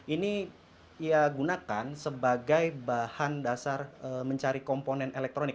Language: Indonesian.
ini ia gunakan sebagai bahan dasar mencari komponen elektronik